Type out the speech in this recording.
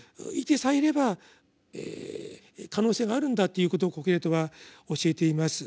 生きてさえいれば可能性があるんだということをコヘレトは教えています。